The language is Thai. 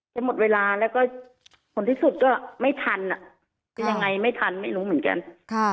จะหมดเวลาแล้วก็ผลที่สุดก็ไม่ทันอ่ะคือยังไงไม่ทันไม่รู้เหมือนกันค่ะ